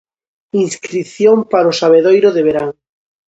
Inscrición para o Sabedoiro de verán.